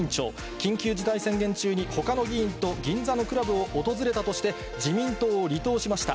緊急事態宣言中に、ほかの議員と銀座のクラブを訪れたとして、自民党を離党しました。